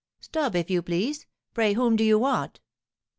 "Stop, if you please. Pray, whom do you want?"